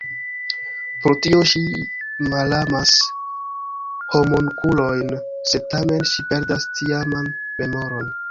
Pro tio ŝi malamas homunkulojn, sed tamen ŝi perdas tiaman memoron.